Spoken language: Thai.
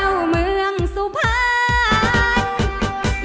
ขอโชคดีค่ะ